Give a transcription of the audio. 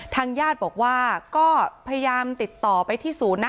ทางญาติบอกว่าก็พยายามติดต่อไปที่ศูนย์นะ